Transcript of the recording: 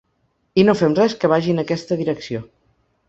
I no fem res que vagi en aquesta direcció.